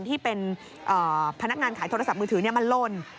ที่เป็นพนักงานขายโทรศัพท์มือถือมันลน